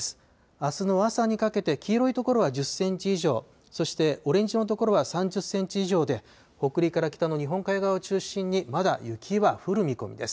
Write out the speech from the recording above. あすの朝にかけて、黄色い所は１０センチ以上、そしてオレンジ色の所は３０センチ以上で、北陸から北の日本海側を中心に、まだ雪は降る見込みです。